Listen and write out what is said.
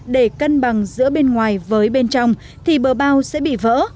để cân bằng giữa bên ngoài với bên trong thì bờ bao sẽ bị vỡ